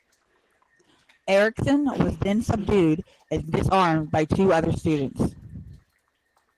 Erickson was then subdued and disarmed by two other students.